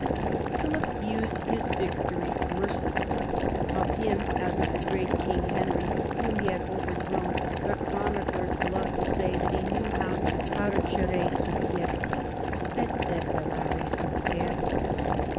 Philip used his victory mercifully. Of him, as of the great king Henry whom he had overthrown, the chroniclers loved to say that he knew how Par cere subjectis et debellare superbos.